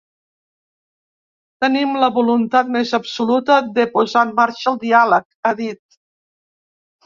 Tenim la voluntat més absoluta de posar en marxa el diàleg, ha dit.